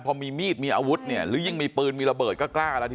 พอมีมีดมีอาวุธเนี่ยหรือยิ่งมีปืนมีระเบิดก็กล้าแล้วที่